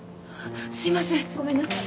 すいませんごめんなさい